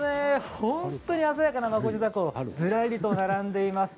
本当に鮮やかな孫次凧ずらりと並んでいます。